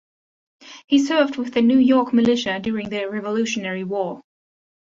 He served with the New York Militia during the Revolutionary War.